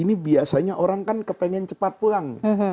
ini biasanya orang kan kepengen cepat pulang